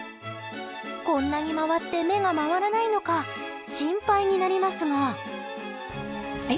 こんなに回って目が回らないのか心配になりますが。